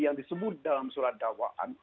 yang disebut dalam surat dakwaan